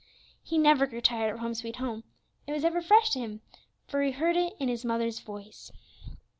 He never grew tired of "Home, sweet Home;" it was ever fresh to him, for he heard in it his mother's voice.